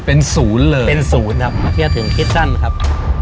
เป็นศูนย์เลยเป็นศูนย์ครับเมื่อกี้ถึงคิดสั้นครับ